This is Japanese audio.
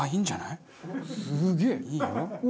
すげえ！いいよ！